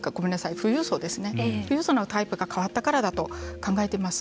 富裕層のタイプが変わったからだと考えています。